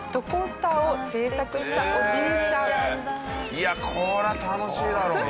いやこれは楽しいだろうな。